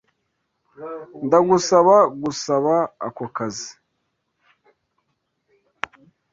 Ndagusaba gusaba ako kazi.